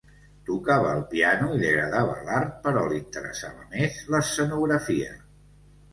Tocava el piano i li agradava l'art però l'interessava més l'escenografia.